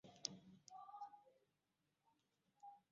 Mo ń làágùn, mo sì ń sunkún nítorí oun tí Adé ṣe.